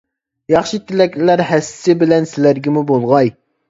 ياخشى تىلەكلەر ھەسسىسى بىلەن سىلەرگىمۇ بولغاي.